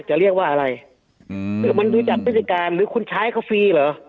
จะเรียกว่าอะไรอืมหรือมันดูจัดวิจัยการหรือคุณใช้ให้เขาฟรีเหรอ